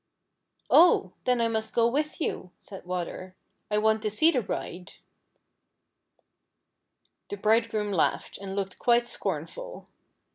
" Oh ! then I must go with \'ou," said Water ;" I want to see the bride." The Bridegroom laughed, and looked quite scornful.